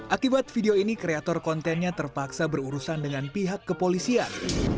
akibat video ini kreator kontennya terpaksa berurusan dengan pihak kepolisian